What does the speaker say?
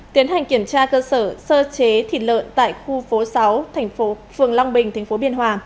tiến hành kiểm tra cơ sở sơ chế thịt lợn tại khu phố sáu thành phố phường long bình tp biên hòa